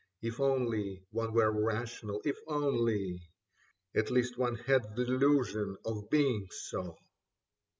If only one were rational, if only At least one had the illusion of being so